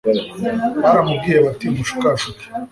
baramubwira bati umushukashuke